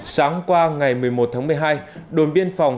sáng qua ngày một mươi một tháng một mươi hai đồn biên phòng